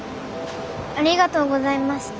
ありがとうございます。